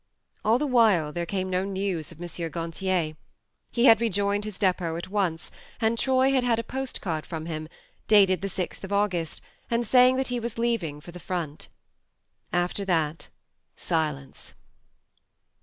All the while there came no news of M. Gantier. He had rejoined his depot at once, and Troy had had a post card from him, dated the 6th of August, and saying that he was leaving for the front. After that, silence.